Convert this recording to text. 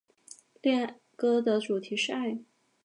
恋歌的主题是爱。